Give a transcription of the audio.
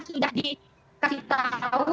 sudah dikasih tau